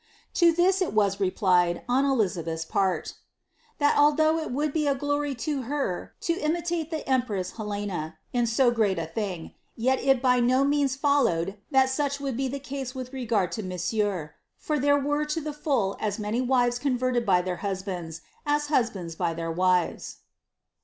^' To this it was replied, on Elizabeth's part, ^^ that ilthough it would be a glory to her to imitate the empress Helena in so prrat a thing, yet it by no means followed that such would be the case vith regard to monsieur, for there were to the full as many wives con foled by their husbands, as husbands by their wives.''